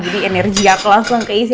jadi energi aku langsung ke isi